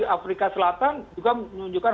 afrika selatan juga menunjukkan